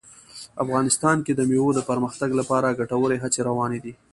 افغانستان کې د مېوو د پرمختګ لپاره ګټورې هڅې روانې دي.